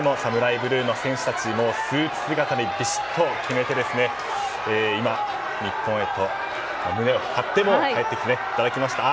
ブルーの選手たちがスーツ姿でビシッと決めて今、日本へと胸を張って帰ってきていただきました。